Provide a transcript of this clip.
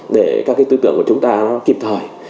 để các cái tư tưởng của chúng ta nó kịp thời